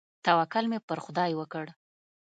توکل مې پر خداى وکړ.